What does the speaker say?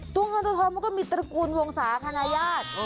ตัวเงินตัวทองมันก็มีตระกูลวงศาคณะญาติ